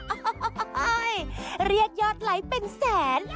โอ่โหโหโหโหโหเรียกยอดไลค์เป็นแสน